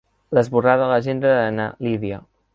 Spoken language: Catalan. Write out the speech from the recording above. L'esborrà de l'agenda de na Lídia.